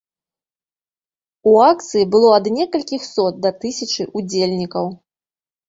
У акцыі было ад некалькіх сот да тысячы ўдзельнікаў.